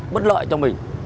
bất lợi cho mình